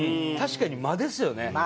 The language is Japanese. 確かに間ですよね。